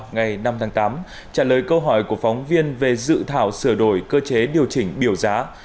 ngày năm tháng tám trả lời câu hỏi của phóng viên về dự thảo sửa đổi cơ chế điều chỉnh biểu giá